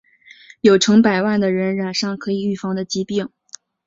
有成百万的人染上可以预防的疾病。